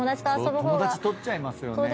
友達取っちゃいますよね。